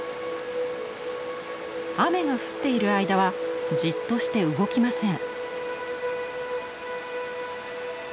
雨が降っている間はじっとして動きません。